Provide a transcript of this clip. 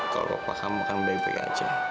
kalau papa kamu akan baik baik aja